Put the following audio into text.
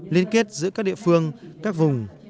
liên kết giữa các địa phương các vùng